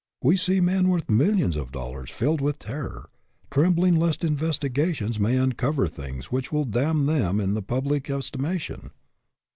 We see men worth millions of dollars filled with terror; trembling lest investigations may uncover things which will damn them in the public estimation